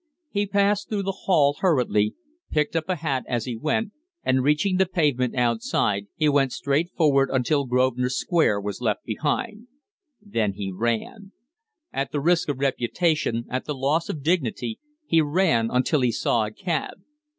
He passed through the hall hurriedly, picking up a hat as he went; and, reaching the pavement outside, he went straight forward until Grosvenor Square was left behind; then he ran. At the risk of reputation, at the loss of dignity, he ran until he saw a cab.